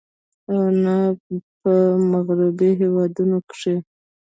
او نۀ په مغربي هېوادونو کښې